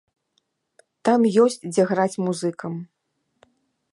Там ёсць, дзе граць музыкам?